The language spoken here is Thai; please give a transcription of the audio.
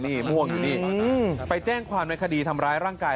นี่ม่วงอยู่นี่ไปแจ้งความในคดีทำร้ายร่างกาย